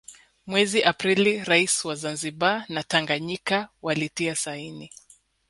Mwezi Aprili rais wa Zanzibar na Tanganyika walitia saini